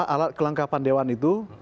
alat kelengkapan dewan itu